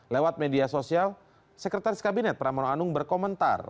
lewat media sosial sekretaris kabinet pramono anung berkomentar